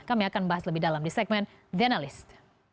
kami akan bahas lebih dalam di segmen the analyst